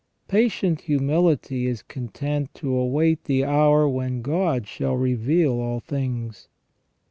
Patient humility is content to await the hour when God shall reveal all things.